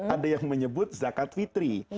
ada yang menyebut zakat fitri